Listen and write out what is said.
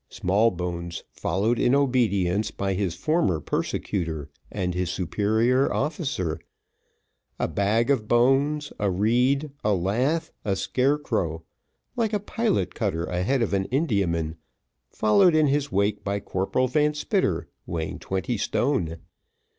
Smallbones followed in obedience by his former persecutor and his superior officer; a bag of bones a reed a lath a scarecrow; like a pilot cutter ahead of an Indiaman, followed in his wake by Corporal Van Spitter, weighing twenty stone.